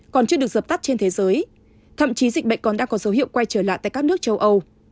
covid một mươi chín chưa được dập tắt trên thế giới thậm chí dịch bệnh còn đang có dấu hiệu quay trở lại tại các nước châu âu